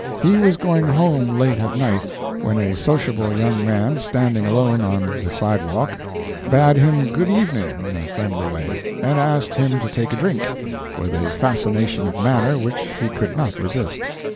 He was going home late at night, when a sociable young man, standing alone on the sidewalk, bade him good evening in a friendly way, and asked him to take a drink, with a fascination of manner which he could not resist.